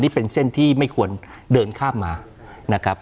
นี่เป็นเส้นที่ไม่ควรเดินข้ามมานะครับ